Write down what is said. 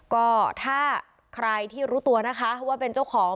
ก็ถ้าใครที่รู้ตัวนะคะว่าเป็นเจ้าของ